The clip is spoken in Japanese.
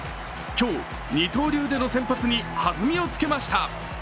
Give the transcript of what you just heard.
今日、二刀流での先発に弾みをつけました。